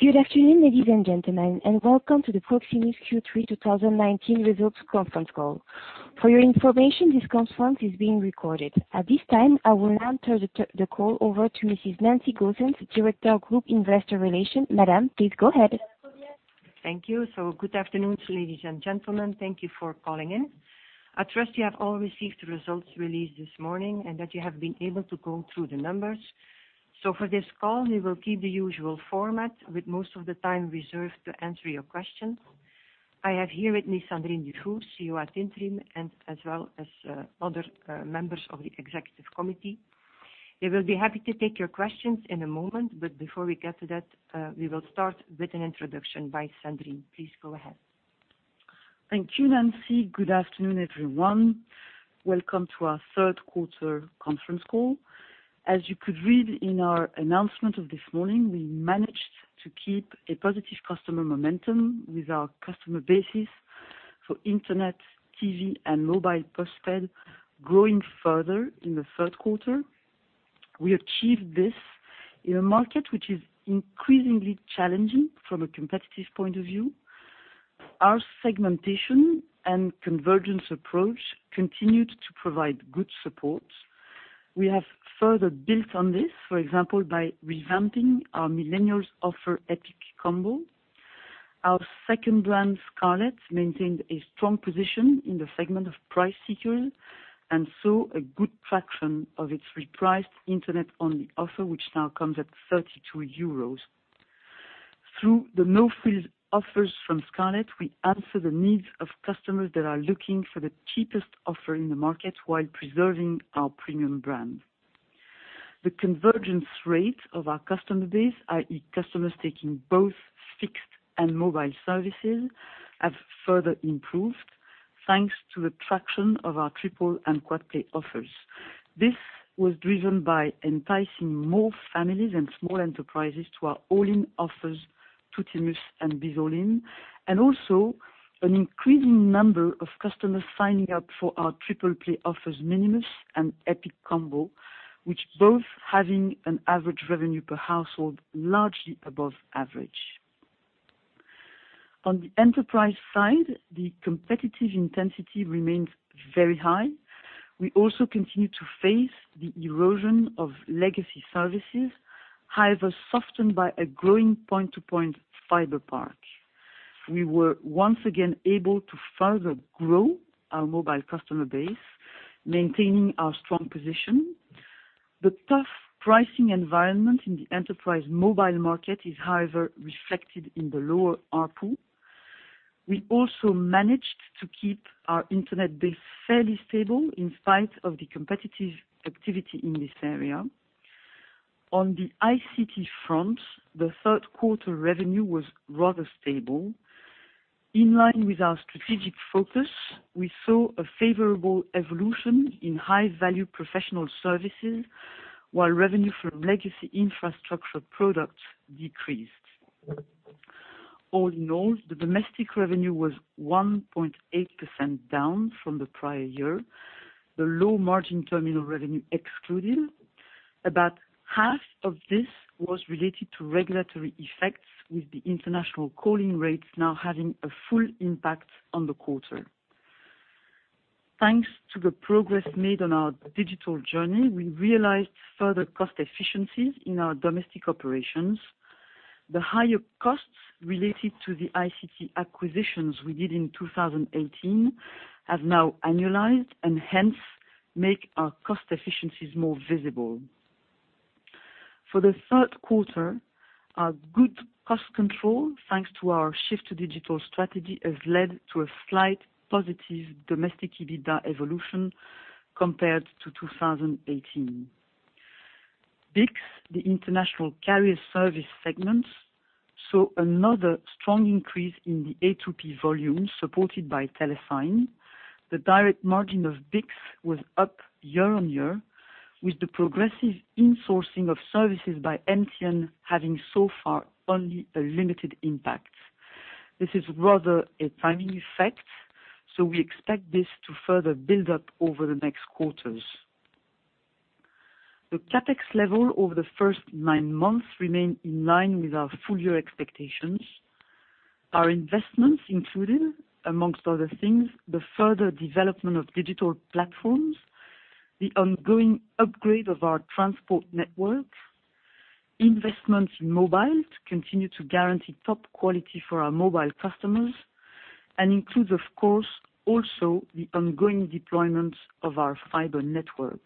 Good afternoon, ladies and gentlemen, and welcome to the Proximus Q3 2019 results conference call. For your information, this conference is being recorded. At this time, I will hand the call over to Mrs. Nancy Goossens, Director of Group Investor Relations. Madam, please go ahead. Thank you. Good afternoon, ladies and gentlemen. Thank you for calling in. I trust you have all received the results released this morning and that you have been able to go through the numbers. For this call, we will keep the usual format with most of the time reserved to answer your questions. I have here with me Sandrine Dufour, CEO ad interim, as well as other members of the executive committee. They will be happy to take your questions in a moment, but before we get to that, we will start with an introduction by Sandrine. Please go ahead. Thank you, Nancy. Good afternoon, everyone. Welcome to our third quarter conference call. As you could read in our announcement of this morning, we managed to keep a positive customer momentum with our customer bases for internet, TV, and mobile postpaid growing further in the third quarter. We achieved this in a market which is increasingly challenging from a competitive point of view. Our segmentation and convergence approach continued to provide good support. We have further built on this, for example, by revamping our millennials offer, Epic Combo. Our second brand, Scarlet, maintained a strong position in the segment of price seekers and saw a good traction of its repriced internet-only offer, which now comes at 32 euros. Through the no-frills offers from Scarlet, we answer the needs of customers that are looking for the cheapest offer in the market while preserving our premium brand. The convergence rate of our customer base, i.e. customers taking both fixed and mobile services, have further improved thanks to the traction of our triple and quad play offers. This was driven by enticing more families and small enterprises to our all-in offers, Tuttimus and Bizz All-in, and also an increasing number of customers signing up for our triple play offers, Minimus and Epic Combo, which both having an average revenue per household largely above average. On the enterprise side, the competitive intensity remains very high. We also continue to face the erosion of legacy services, however softened by a growing point-to-point fiber part. We were once again able to further grow our mobile customer base, maintaining our strong position. The tough pricing environment in the enterprise mobile market is, however, reflected in the lower ARPU. We also managed to keep our internet base fairly stable in spite of the competitive activity in this area. On the ICT front, the third quarter revenue was rather stable. In line with our strategic focus, we saw a favorable evolution in high-value professional services, while revenue from legacy infrastructure products decreased. All in all, the domestic revenue was 1.8% down from the prior year, the low-margin terminal revenue excluded. About half of this was related to regulatory effects, with the international calling rates now having a full impact on the quarter. Thanks to the progress made on our digital journey, we realized further cost efficiencies in our domestic operations. The higher costs related to the ICT acquisitions we did in 2018 have now annualized and hence make our cost efficiencies more visible. For the third quarter, our good cost control, thanks to our shift to digital strategy, has led to a slight positive domestic EBITDA evolution compared to 2018. BICS, the international carrier service segment, saw another strong increase in the A2P volume supported by TeleSign. The direct margin of BICS was up year on year, with the progressive insourcing of services by MTN having so far only a limited impact. This is rather a timing effect. We expect this to further build up over the next quarters. The CapEx level over the first nine months remained in line with our full-year expectations. Our investments included, amongst other things, the further development of digital platforms, the ongoing upgrade of our transport network, investments in mobile to continue to guarantee top quality for our mobile customers, and includes, of course, also the ongoing deployment of our fiber network.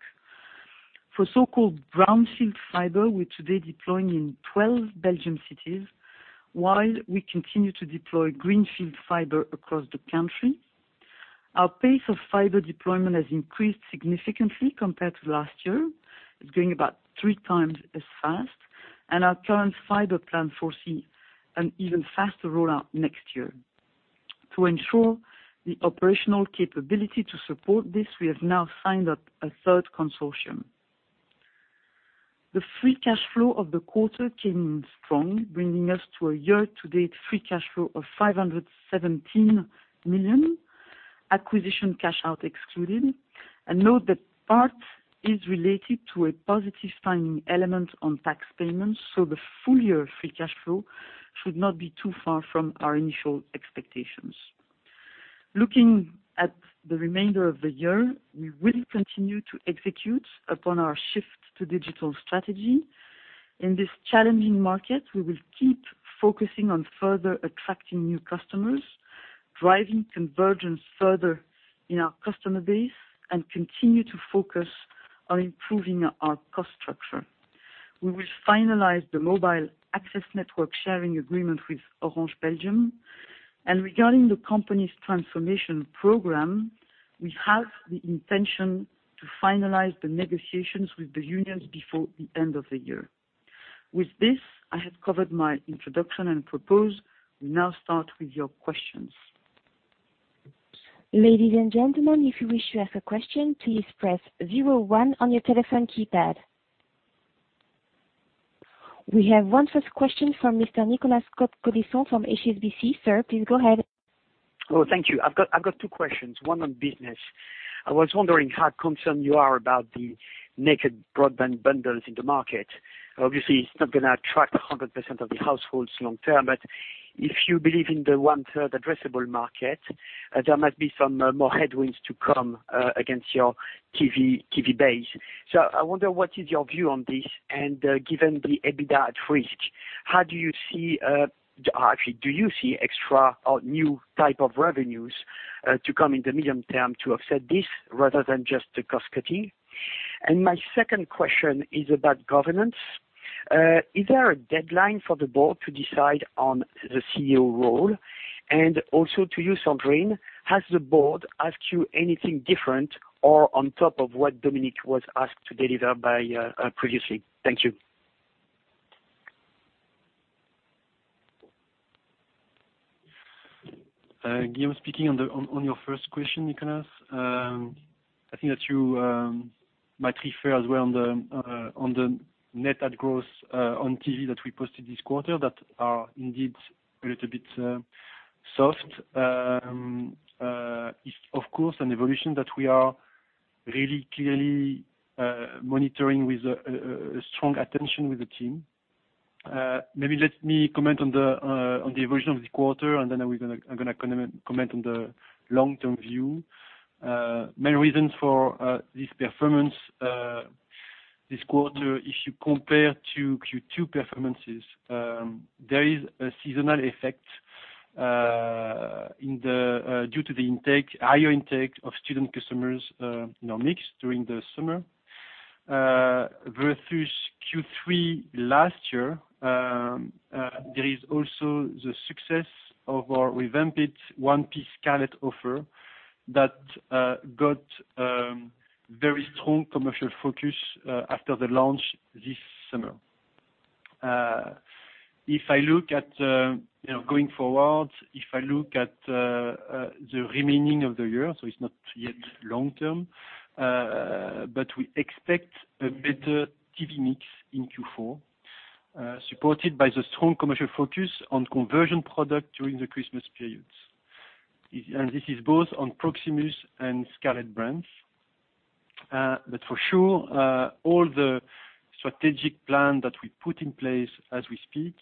For so-called brownfield fiber, we're today deploying in 12 Belgian cities while we continue to deploy greenfield fiber across the country. Our pace of fiber deployment has increased significantly compared to last year. It's going about three times as fast, and our current fiber plan foresees an even faster rollout next year. To ensure the operational capability to support this, we have now signed up a third consortium. The free cash flow of the quarter came in strong, bringing us to a year-to-date free cash flow of 517 million. Acquisition cash out excluded. Note that part is related to a positive timing element on tax payments, so the full year free cash flow should not be too far from our initial expectations. Looking at the remainder of the year, we will continue to execute upon our shift to digital strategy. In this challenging market, we will keep focusing on further attracting new customers, driving convergence further in our customer base, and continue to focus on improving our cost structure. We will finalize the mobile access network sharing agreement with Orange Belgium. Regarding the company's transformation program, we have the intention to finalize the negotiations with the unions before the end of the year. With this, I have covered my introduction and propose we now start with your questions. Ladies and gentlemen, if you wish to ask a question, please press 01 on your telephone keypad. We have one first question from Mr. Nicolas Cote-Colisson from HSBC. Sir, please go ahead. Oh, thank you. I've got two questions, one on business. I was wondering how concerned you are about the naked broadband bundles in the market. Obviously, it's not going to attract 100% of the households long term, but if you believe in the one-third addressable market, there might be some more headwinds to come against your TV base. I wonder, what is your view on this? Given the EBITDA at risk, do you see extra or new type of revenues to come in the medium term to offset this rather than just the cost cutting? My second question is about governance. Is there a deadline for the board to decide on the CEO role? Also to you, Sandrine, has the board asked you anything different or on top of what Dominique was asked to deliver previously? Thank you. Guillaume speaking. On your first question, Nicolas, I think that you might refer as well on the net add growth on TV that we posted this quarter that are indeed a little bit soft. It's of course an evolution that we are really clearly monitoring with strong attention with the team. Maybe let me comment on the evolution of the quarter, and then I'm going to comment on the long-term view. Main reasons for this performance this quarter, if you compare to Q2 performances, there is a seasonal effect due to the higher intake of student customers mix during the summer. Versus Q3 last year, there is also the success of our revamped 1P Scarlet offer that got very strong commercial focus after the launch this summer. Going forward, if I look at the remaining of the year, it's not yet long term, we expect a better TV mix in Q4, supported by the strong commercial focus on conversion product during the Christmas periods. This is both on Proximus and Scarlet brands. For sure, all the strategic plan that we put in place as we speak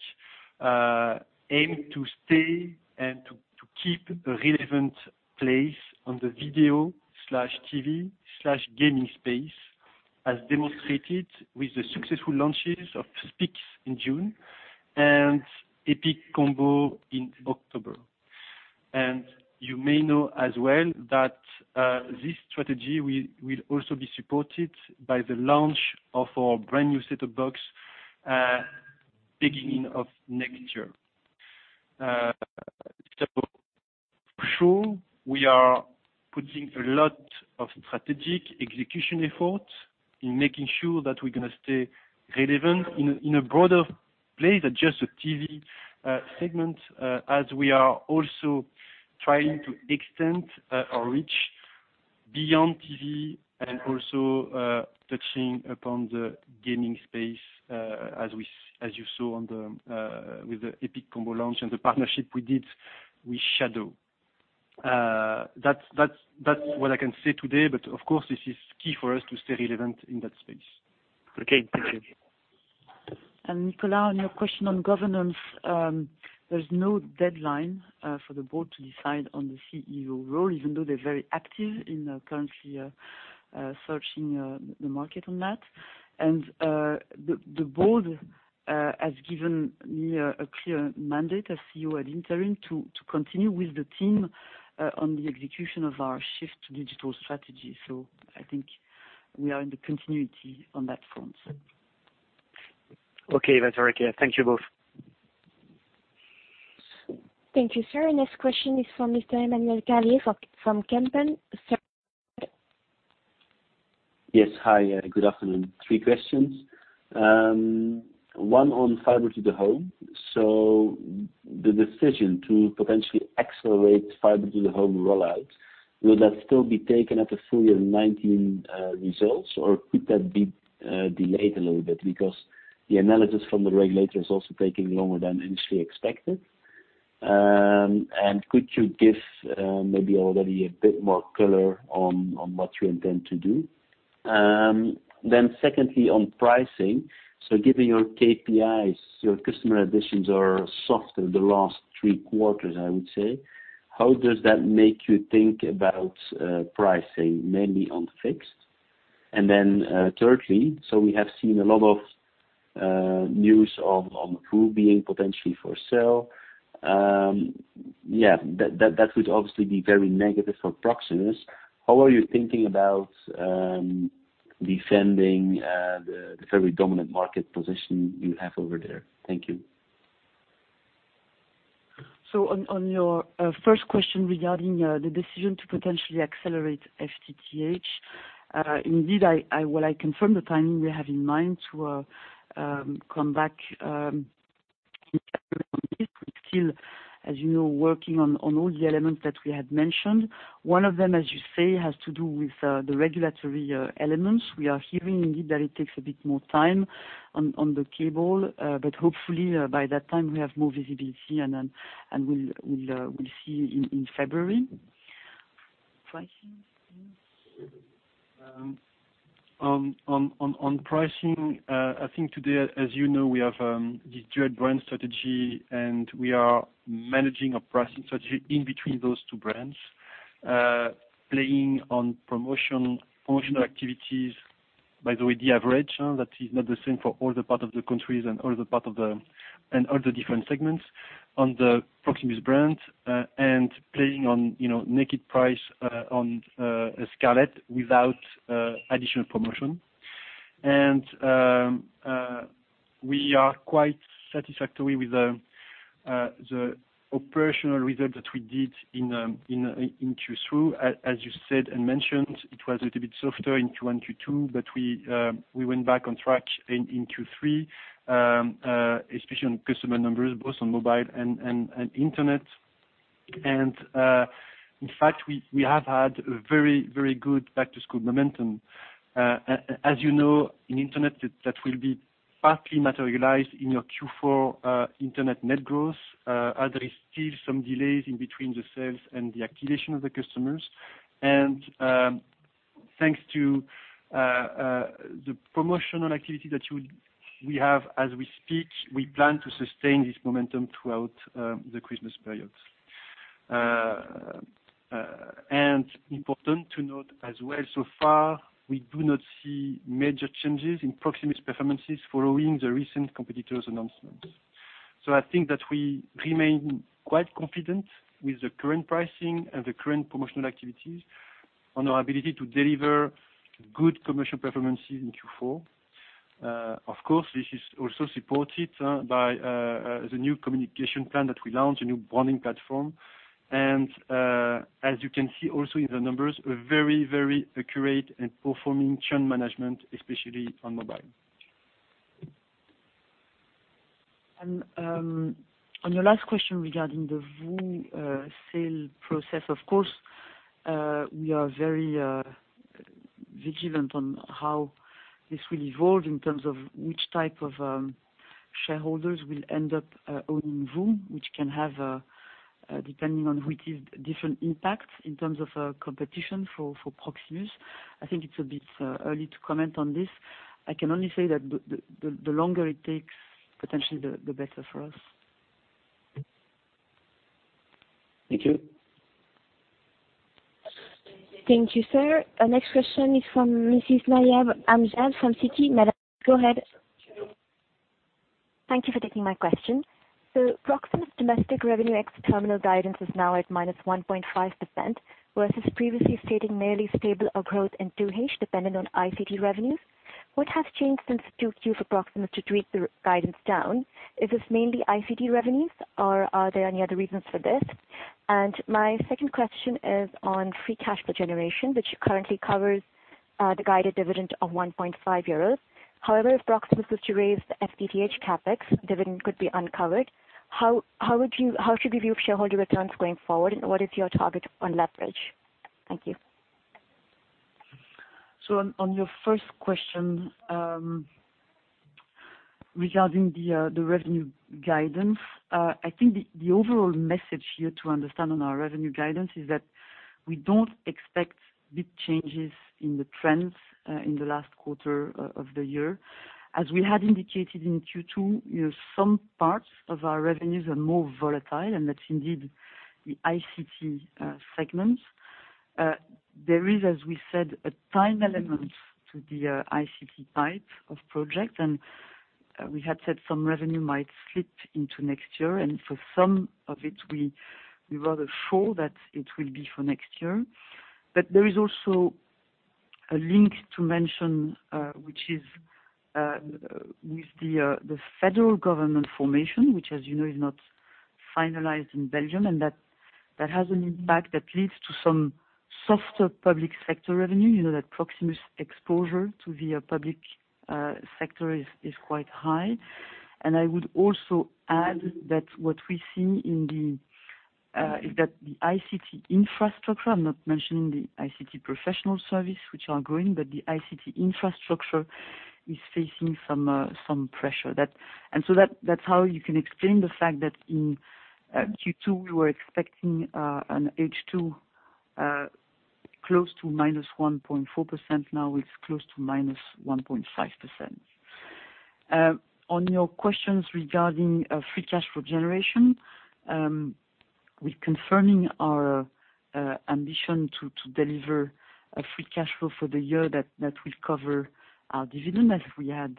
aim to stay and to keep a relevant place on the video/TV/gaming space, as demonstrated with the successful launches of Pickx in June and Epic Combo in October. You may know as well that this strategy will also be supported by the launch of our brand new set-top box beginning of next year. For sure, we are putting a lot of strategic execution efforts in making sure that we're going to stay relevant in a broader place than just the TV segment, as we are also trying to extend our reach beyond TV and also touching upon the gaming space, as you saw with the Epic Combo launch and the partnership we did with Shadow. That's what I can say today, of course, this is key for us to stay relevant in that space. Okay, thank you. Nicolas, on your question on governance, there's no deadline for the board to decide on the CEO role, even though they're very active in currently searching the market on that. The board has given me a clear mandate as CEO ad interim to continue with the team on the execution of our shift to digital strategy. I think we are in the continuity on that front. Okay, that's very clear. Thank you both. Thank you, sir. Next question is from Mr. Emmanuel Cale from Kempen. Sir. Yes. Hi, good afternoon. Three questions. One on fiber to the home. The decision to potentially accelerate fiber to the home rollout, will that still be taken at the full year 2019 results or could that be delayed a little bit because the analysis from the regulator is also taking longer than industry expected? Could you give maybe already a bit more color on what you intend to do? Secondly, on pricing. Given your KPIs, your customer additions are softer the last three quarters, I would say. How does that make you think about pricing, mainly on fixed? Thirdly, we have seen a lot of news on VOO being potentially for sale. Yeah, that would obviously be very negative for Proximus. How are you thinking about defending the very dominant market position you have over there? Thank you. On your first question regarding the decision to potentially accelerate FTTH. Indeed, while I confirm the timing we have in mind to come back in February. We're still, as you know, working on all the elements that we had mentioned. One of them, as you say, has to do with the regulatory elements. We are hearing indeed that it takes a bit more time on the cable but hopefully by that time we have more visibility and we'll see in February. Pricing, Thomas? On pricing. I think today, as you know, we have the dual brand strategy, and we are managing a pricing strategy in between those two brands. Playing on promotion, promotional activities. By the way, the average, that is not the same for all the part of the countries and all the different segments on the Proximus brand. Playing on naked price on Scarlet without additional promotion. We are quite satisfactory with the operational results that we did in Q2. As you said and mentioned, it was a little bit softer in Q2, but we went back on track in Q3, especially on customer numbers, both on mobile and internet. In fact, we have had very good back-to-school momentum. As you know, in internet, that will be partly materialized in your Q4 internet net growth, as there is still some delays in between the sales and the activation of the customers. Thanks to the promotional activity that we have as we speak, we plan to sustain this momentum throughout the Christmas period. Important to note as well, so far, we do not see major changes in Proximus performances following the recent competitors' announcements. I think that we remain quite confident with the current pricing and the current promotional activities on our ability to deliver good commercial performances in Q4. Of course, this is also supported by the new communication plan that we launched, a new branding platform. As you can see also in the numbers, a very accurate and performing churn management, especially on mobile. On your last question regarding the VOO sale process, of course, we are very vigilant on how this will evolve in terms of which type of shareholders will end up owning VOO, which can have, depending on which is different impacts in terms of competition for Proximus. I think it's a bit early to comment on this. I can only say that the longer it takes, potentially the better for us. Thank you. Thank you, sir. Our next question is from Mrs. Nayab Amjad from Citi. Madam, go ahead. Thank you for taking my question. Proximus domestic revenue ex-terminal guidance is now at minus 1.5%, versus previously stating nearly stable or growth in 2H, dependent on ICT revenues. What has changed since 2Q for Proximus to tweak the guidance down? Is this mainly ICT revenues or are there any other reasons for this? My second question is on free cash flow generation, which currently covers the guided dividend of 1.5 euros. However, if Proximus was to raise the FTTH CapEx, dividend could be uncovered. How should we view shareholder returns going forward, and what is your target on leverage? Thank you. On your first question, regarding the revenue guidance. I think the overall message here to understand on our revenue guidance is that we don't expect big changes in the trends in the last quarter of the year. As we had indicated in Q2, some parts of our revenues are more volatile, and that's indeed the ICT segments. There is, as we said, a time element to the ICT type of project. We had said some revenue might slip into next year, and for some of it, we're rather sure that it will be for next year. There is also a link to mention, which is with the federal government formation, which as you know is not finalized in Belgium, and that has an impact that leads to some softer public sector revenue. You know that Proximus exposure to the public sector is quite high. I would also add that what we see is that the ICT infrastructure, I'm not mentioning the ICT professional service, which are growing, but the ICT infrastructure is facing some pressure. That's how you can explain the fact that in Q2 we were expecting an H2 close to minus 1.4%, now it's close to minus 1.5%. On your questions regarding free cash flow generation, we're confirming our ambition to deliver a free cash flow for the year that will cover our dividend as we had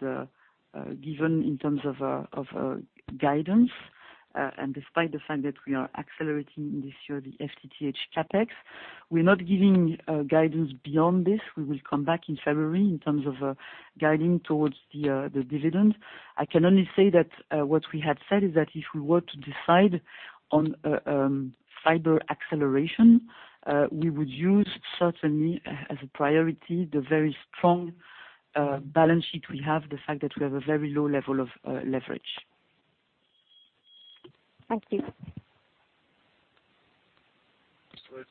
given in terms of our guidance. Despite the fact that we are accelerating this year, the FTTH CapEx, we're not giving guidance beyond this. We will come back in February in terms of guiding towards the dividend. I can only say that what we had said is that if we were to decide on a fiber acceleration, we would use certainly as a priority, the very strong balance sheet we have, the fact that we have a very low level of leverage. Thank you.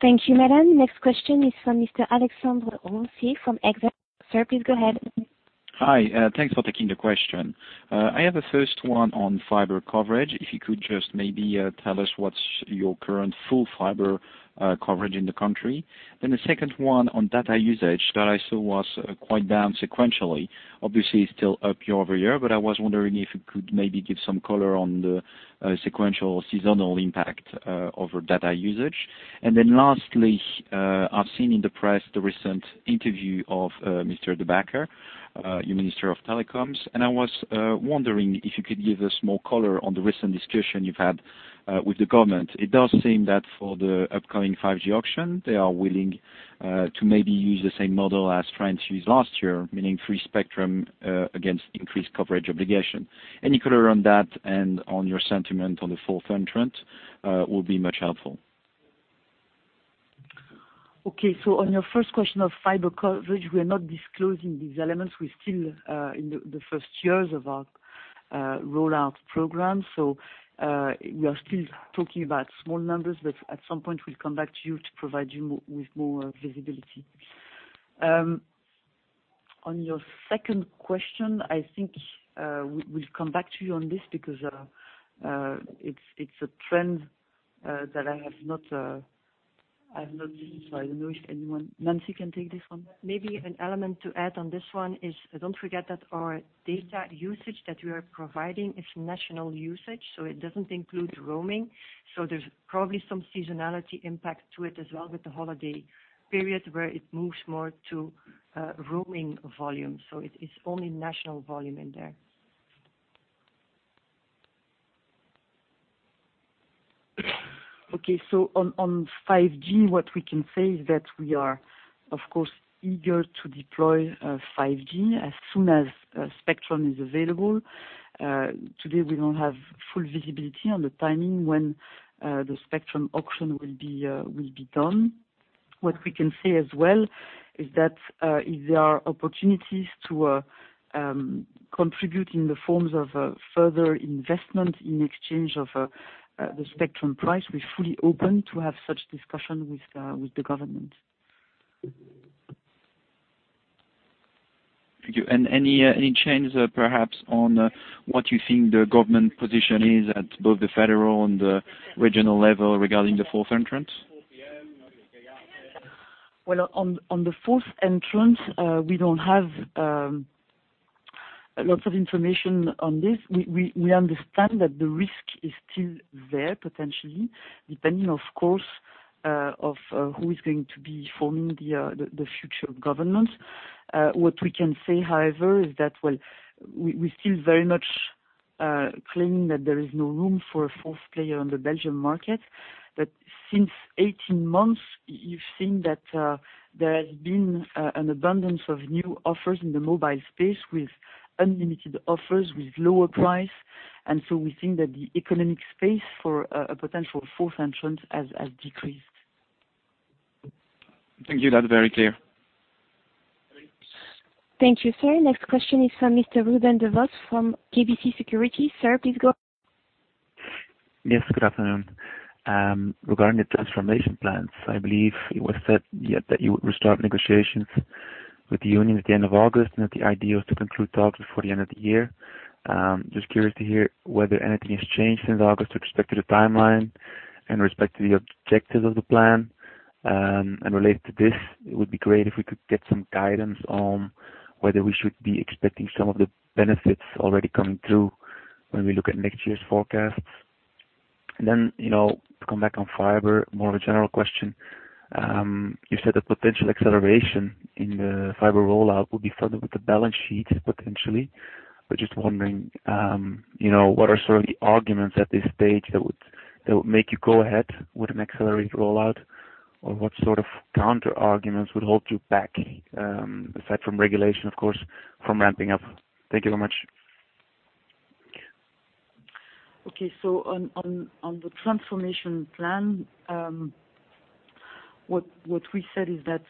Thank you, Nayab Amjad. Next question is from Mr. Alexandre Iatrides from Exane. Sir, please go ahead. Hi. Thanks for taking the question. I have a first one on fiber coverage. If you could just maybe tell us what's your current full fiber coverage in the country. The second one on data usage that I saw was quite down sequentially. Obviously still up year-over-year, I was wondering if you could maybe give some color on the sequential seasonal impact of data usage. Lastly, I've seen in the press the recent interview of Mr. De Backer, your Minister of Telecoms, I was wondering if you could give us more color on the recent discussion you've had with the government. It does seem that for the upcoming 5G auction, they are willing to maybe use the same model as France used last year, meaning free spectrum against increased coverage obligation. Any color on that and on your sentiment on the fourth entrant will be much helpful. Okay. On your first question of fiber coverage, we are not disclosing these elements. We're still in the first years of our rollout program. We are still talking about small numbers, but at some point, we'll come back to you to provide you with more visibility. On your second question, I think, we'll come back to you on this because it's a trend that I have not seen. I don't know if anyone, Nancy can take this one. Maybe an element to add on this one is, don't forget that our data usage that we are providing is national usage, so it doesn't include roaming. There's probably some seasonality impact to it as well with the holiday period where it moves more to roaming volume. It is only national volume in there. Okay, on 5G, what we can say is that we are, of course, eager to deploy 5G as soon as spectrum is available. Today, we don't have full visibility on the timing when the spectrum auction will be done. What we can say as well is that, if there are opportunities to contribute in the forms of further investment in exchange of the spectrum price, we're fully open to have such discussion with the government. Thank you. Any change perhaps on what you think the government position is at both the federal and the regional level regarding the fourth entrance? On the fourth entrance, we don't have lots of information on this. We understand that the risk is still there potentially, depending, of course, on who is going to be forming the future government. What we can say, however, is that we still very much claim that there is no room for a fourth player on the Belgium market. Since 18 months, you've seen that there has been an abundance of new offers in the mobile space with unlimited offers with lower price, we think that the economic space for a potential fourth entrance has decreased. Thank you. That's very clear. Thank you, sir. Next question is from Mr. Ruben De Vos from KBC Securities. Sir, please go. Yes, good afternoon. Regarding the transformation plans, I believe it was said that you would restart negotiations with the unions at the end of August, and that the idea was to conclude talks before the end of the year. Just curious to hear whether anything has changed since August with respect to the timeline and respect to the objectives of the plan. Related to this, it would be great if we could get some guidance on whether we should be expecting some of the benefits already coming through when we look at next year's forecasts. Then, to come back on fiber, more of a general question. You said the potential acceleration in the fiber rollout would be funded with the balance sheet, potentially. Just wondering, what are some of the arguments at this stage that would make you go ahead with an accelerated rollout? What sort of counterarguments would hold you back, aside from regulation, of course, from ramping up? Thank you so much. Okay. On the transformation plan, what we said is that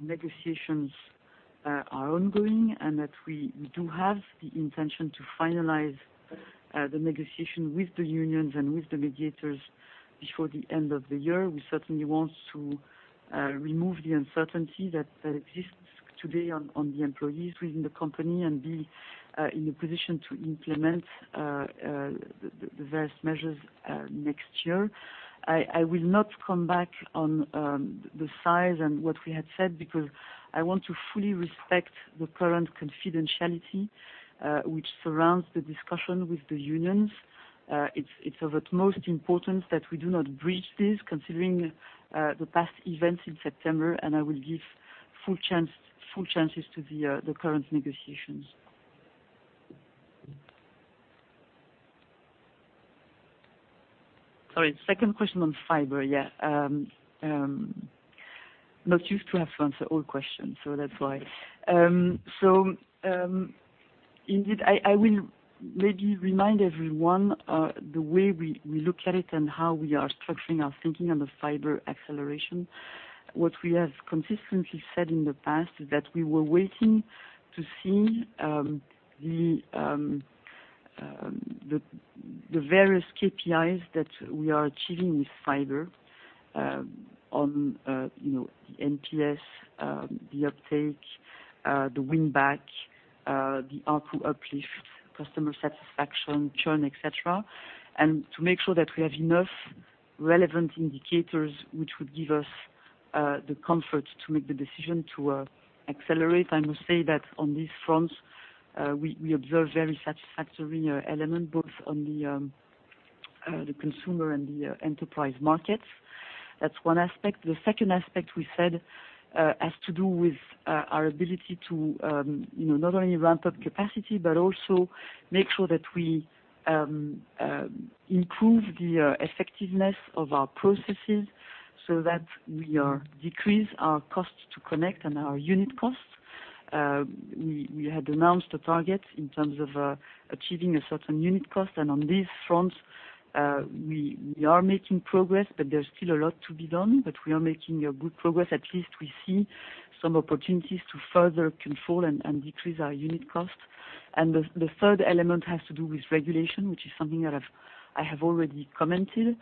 negotiations are ongoing and that we do have the intention to finalize the negotiation with the unions and with the mediators before the end of the year. We certainly want to remove the uncertainty that exists today on the employees within the company and be in a position to implement the various measures next year. I will not come back on the size and what we had said, because I want to fully respect the current confidentiality which surrounds the discussion with the unions. It is of utmost importance that we do not breach this, considering the past events in September, and I will give full chances to the current negotiations. Sorry, second question on fiber. I am not used to have to answer all questions, so that is why. Indeed, I will maybe remind everyone the way we look at it and how we are structuring our thinking on the fiber acceleration. What we have consistently said in the past is that we were waiting to see the various KPIs that we are achieving with fiber on the NPS, the uptake, the win-back, the ARPU uplift, customer satisfaction, churn, et cetera, and to make sure that we have enough relevant indicators which would give us the comfort to make the decision to accelerate. I must say that on this front, we observe very satisfactory elements, both on the consumer and the enterprise markets. That's one aspect. The second aspect we said has to do with our ability to not only ramp up capacity, but also make sure that we improve the effectiveness of our processes, so that we decrease our cost to connect and our unit costs. We had announced a target in terms of achieving a certain unit cost. On this front, we are making progress, but there's still a lot to be done. We are making good progress. At least we see some opportunities to further control and decrease our unit cost. The third element has to do with regulation, which is something that I have already commented.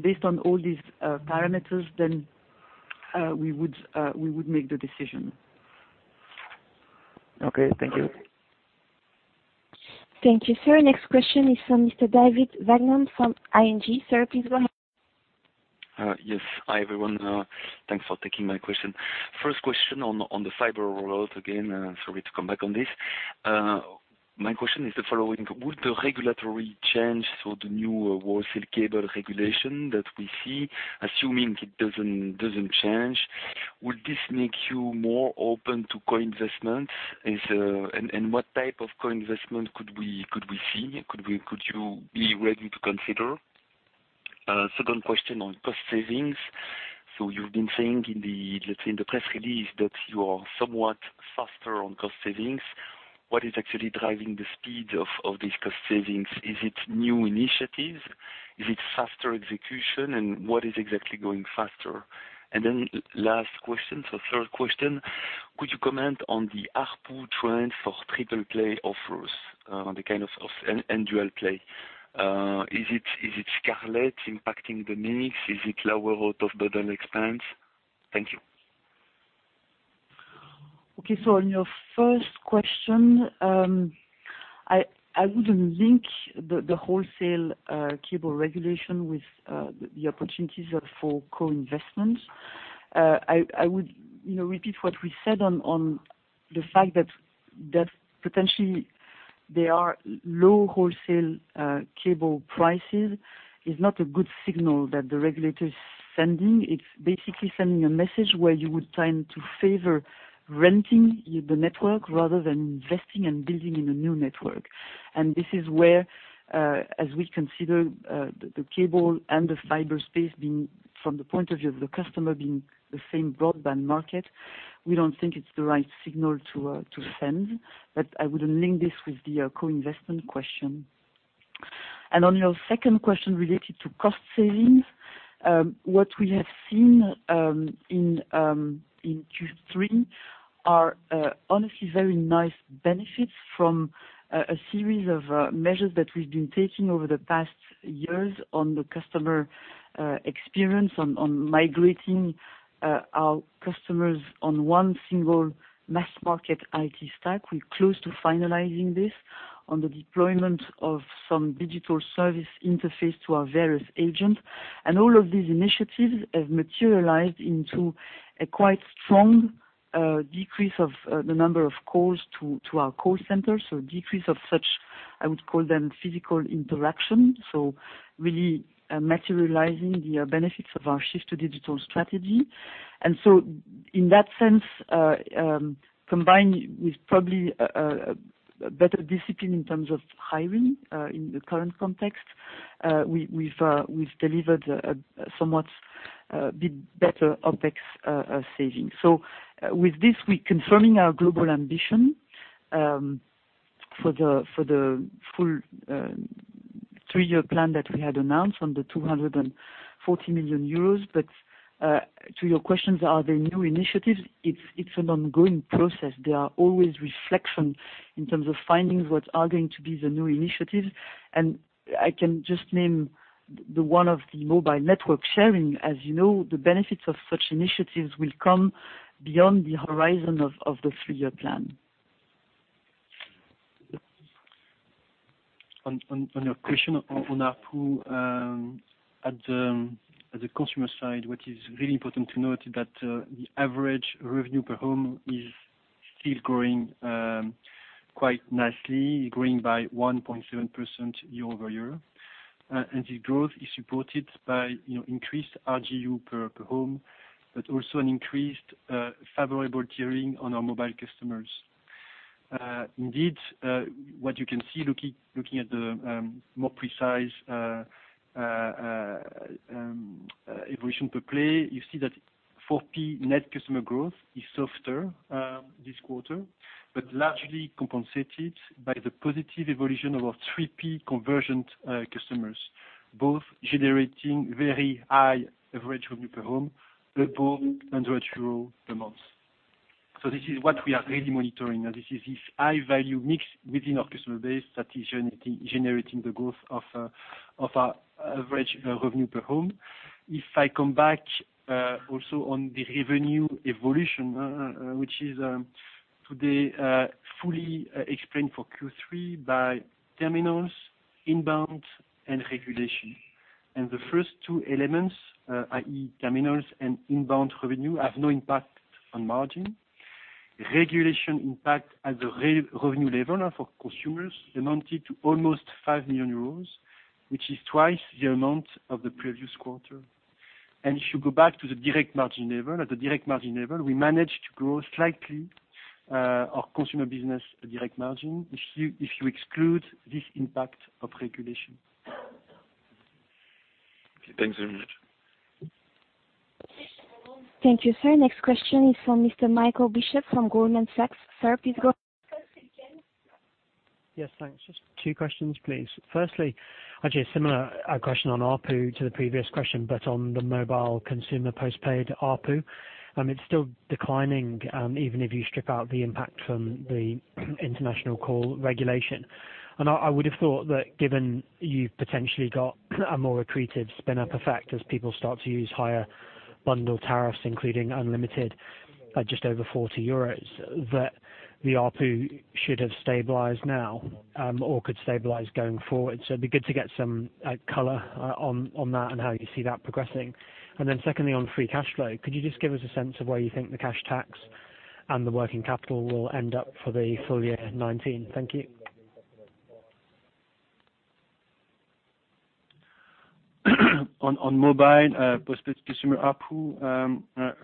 Based on all these parameters, we would make the decision. Okay. Thank you. Thank you, sir. Next question is from Mr. David Vagman from ING. Sir, please go ahead. Yes. Hi, everyone. Thanks for taking my question. First question on the fiber rollout. Again, sorry to come back on this. My question is the following. Would the regulatory change for the new wholesale cable regulation that we see, assuming it doesn't change, would this make you more open to co-investments? What type of co-investment could we see? Could you be ready to consider? Second question on cost savings. You've been saying in the press release that you are somewhat faster on cost savings. What is actually driving the speed of these cost savings? Is it new initiatives? Is it faster execution? What is exactly going faster? Last question, third question. Could you comment on the ARPU trend for triple play offers and the kind of dual play. Is it Scarlet impacting the mix? Is it lower out-of-the-door and expense? Thank you. Okay. On your first question, I wouldn't link the wholesale cable regulation with the opportunities for co-investment. I would repeat what we said on the fact that potentially there are low wholesale cable prices is not a good signal that the regulator is sending. It's basically sending a message where you would tend to favor renting the network rather than investing and building in a new network. This is where, as we consider the cable and the fiber space, from the point of view of the customer, being the same broadband market, we don't think it's the right signal to send. I wouldn't link this with the co-investment question. On your second question related to cost savings, what we have seen in Q3 are honestly very nice benefits from a series of measures that we've been taking over the past years on the customer experience, on migrating our customers on one single mass market IT stack. We're close to finalizing this on the deployment of some digital service interface to our various agents. All of these initiatives have materialized into a quite strong decrease of the number of calls to our call center. Decrease of such, I would call them physical interaction, so really materializing the benefits of our shift to digital strategy. In that sense, combined with probably a better discipline in terms of hiring in the current context, we've delivered a somewhat better OPEX saving. With this, we're confirming our global ambition for the full three-year plan that we had announced on the 240 million euros. To your questions, are there new initiatives? It's an ongoing process. There are always reflections in terms of findings, what are going to be the new initiatives. I can just name the one of the mobile network sharing. As you know, the benefits of such initiatives will come beyond the horizon of the three-year plan. On your question on ARPU, at the consumer side, what is really important to note is that the average revenue per home is still growing quite nicely, growing by 1.7% year-over-year. The growth is supported by increased RGU per home, but also an increased favorable tiering on our mobile customers. Indeed, what you can see looking at the more precise evolution per play, you see that 4P net customer growth is softer this quarter, but largely compensated by the positive evolution of our 3P convergent customers, both generating very high average revenue per home, above 100 euro per month. This is what we are really monitoring. This is this high-value mix within our customer base that is generating the growth of our average revenue per home. If I come back also on the revenue evolution, which is today fully explained for Q3 by terminals, inbound, and regulation. The first two elements, i.e., terminals and inbound revenue, have no impact on margin. Regulation impact at the revenue level for consumers amounted to almost 5 million euros, which is twice the amount of the previous quarter. If you go back to the direct margin level, at the direct margin level, we managed to grow slightly our consumer business direct margin, if you exclude this impact of regulation. Thank you very much. Thank you, sir. Next question is from Mr. Michael Bishop from Goldman Sachs. Sir, please go ahead. Yes, thanks. Just two questions, please. Firstly, actually a similar question on ARPU to the previous question, but on the mobile consumer postpaid ARPU. It's still declining, even if you strip out the impact from the international call regulation. I would have thought that given you've potentially got a more accretive spin-up effect as people start to use higher bundle tariffs, including unlimited at just over 40 euros, that the ARPU should have stabilized now or could stabilize going forward. It'd be good to get some color on that and how you see that progressing. Secondly, on free cash flow, could you just give us a sense of where you think the cash tax and the working capital will end up for the full year 2019? Thank you. On mobile postpaid consumer ARPU.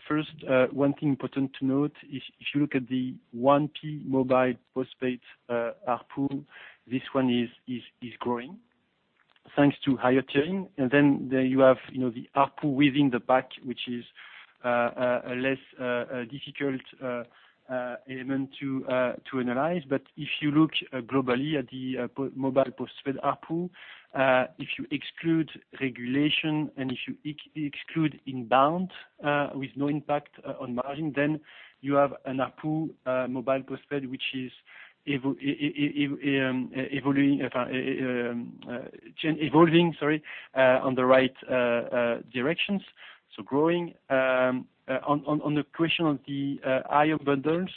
First, one thing important to note is if you look at the 1P mobile postpaid ARPU, this one is growing, thanks to higher tiering. You have the ARPU within the pack, which is a less difficult element to analyze. If you look globally at the mobile postpaid ARPU, if you exclude regulation and if you exclude inbound with no impact on margin, then you have an ARPU mobile postpaid which is evolving on the right directions, so growing. On the question on the higher bundles.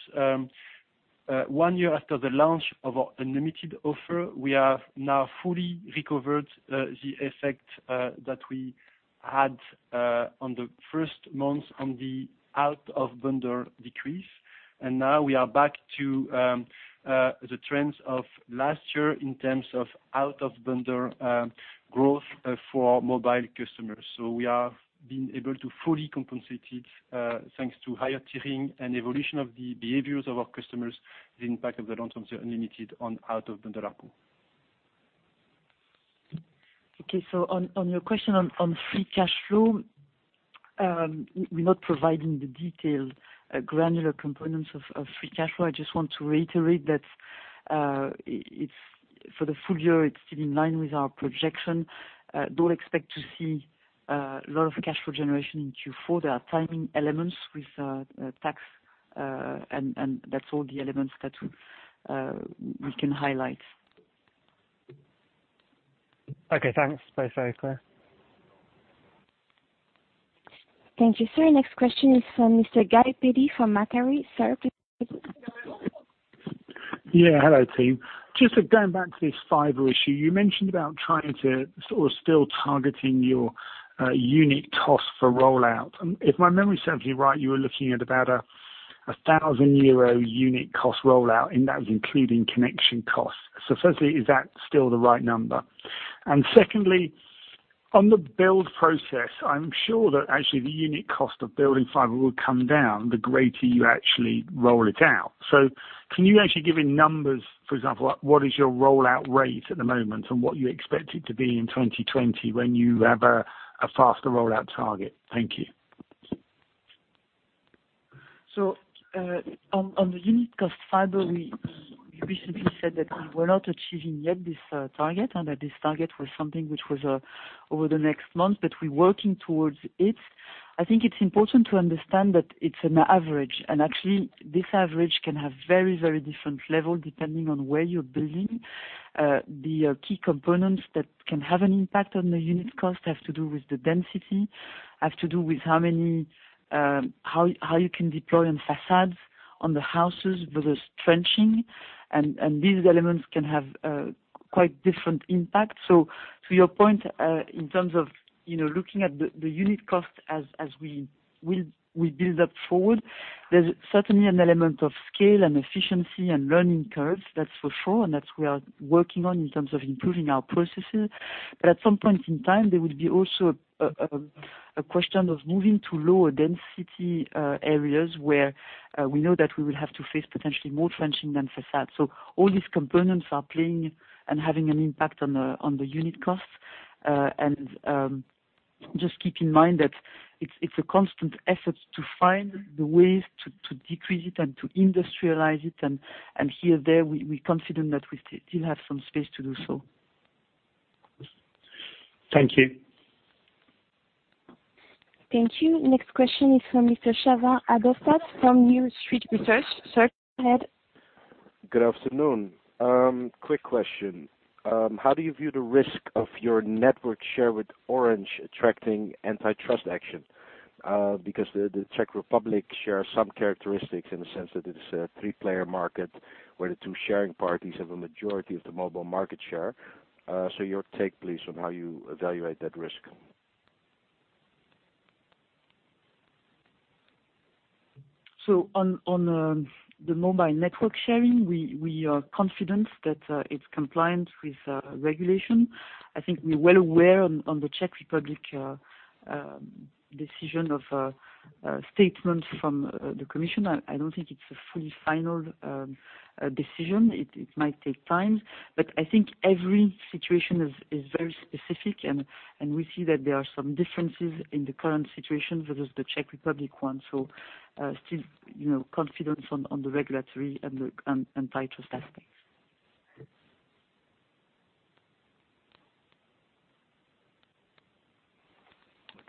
One year after the launch of our unlimited offer, we have now fully recovered the effect that we had on the first month on the out-of-bundle decrease. Now we are back to the trends of last year in terms of out-of-bundle growth for mobile customers. We have been able to fully compensate it thanks to higher tiering and evolution of the behaviors of our customers, the impact of the long-term unlimited on out-of-bundle ARPU. On your question on free cash flow. We're not providing the detailed granular components of free cash flow. I just want to reiterate that for the full year, it's still in line with our projection. Don't expect to see a lot of cash flow generation in Q4. There are timing elements with tax, that's all the elements that we can highlight. Okay, thanks. Both very clear. Thank you, sir. Next question is from Mr. Guy Peddy from Macquarie. Sir, please go ahead. Yeah. Hello, team. Just going back to this fiber issue, you mentioned about trying to still targeting your unique cost for rollout. If my memory serves me right, you were looking at about a 1,000 euro unique cost rollout, and that was including connection costs. Firstly, is that still the right number? Secondly, on the build process, I'm sure that actually the unique cost of building fiber would come down the greater you actually roll it out. Can you actually give me numbers, for example, what is your rollout rate at the moment and what you expect it to be in 2020 when you have a faster rollout target? Thank you. On the unit cost fiber, we recently said that we were not achieving yet this target, and that this target was something which was over the next month, but we're working towards it. I think it's important to understand that it's an average. Actually, this average can have very different levels depending on where you're building. The key components that can have an impact on the unit cost have to do with the density, have to do with how you can deploy on facades on the houses versus trenching. These elements can have quite different impacts. To your point, in terms of looking at the unit cost as we build up forward, there's certainly an element of scale and efficiency and learning curves, that's for sure, and that we are working on in terms of improving our processes. At some point in time, there will be also a question of moving to lower density areas where we know that we will have to face potentially more trenching than facades. All these components are playing and having an impact on the unit cost. Just keep in mind that it's a constant effort to find the ways to decrease it and to industrialize it. Here and there, we're confident that we still have some space to do so. Thank you. Thank you. Next question is from Mr. James Ratzer from New Street Research. Sir, go ahead. Good afternoon. Quick question. How do you view the risk of your network share with Orange attracting antitrust action? The Czech Republic shares some characteristics in the sense that it is a three-player market where the two sharing parties have a majority of the mobile market share. Your take, please, on how you evaluate that risk. On the mobile network sharing, we are confident that it's compliant with regulation. I think we're well aware on the Czech Republic decision of statements from the Commission. I don't think it's a fully final decision. It might take time, but I think every situation is very specific, and we see that there are some differences in the current situation versus the Czech Republic one. Still confident on the regulatory and the antitrust aspects.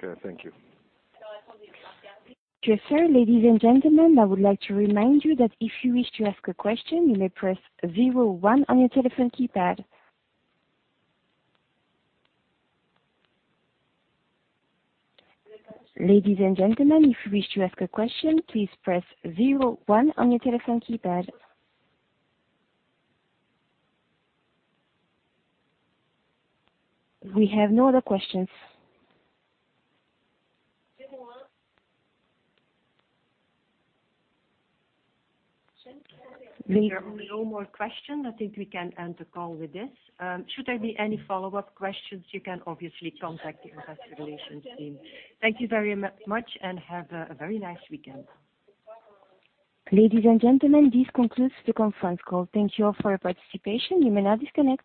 Okay. Thank you. Sir, ladies and gentlemen, I would like to remind you that if you wish to ask a question, you may press zero one on your telephone keypad. Ladies and gentlemen, if you wish to ask a question, please press zero one on your telephone keypad. We have no other questions. There are no more questions. I think we can end the call with this. Should there be any follow-up questions, you can obviously contact the investor relations team. Thank you very much, and have a very nice weekend. Ladies and gentlemen, this concludes the conference call. Thank you all for your participation. You may now disconnect.